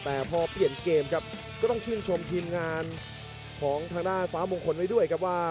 แต่พอเปลี่ยนเกมครับก็ต้องชื่นชมทีมงานของทางด้านฟ้ามงคลไว้ด้วยครับว่า